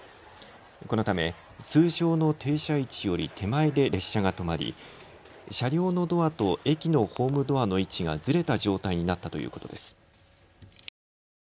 このため通常の停車位置より手前で列車が止まり車両のドアと駅のホームドアの位置がずれた状態になったということです。